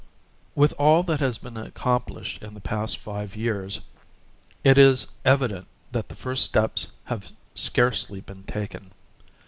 With all that has been accomplished in the past five years, it is evident that the first steps have scarcely been taken.